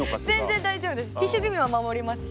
全然大丈夫です。